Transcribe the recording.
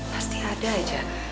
pasti ada aja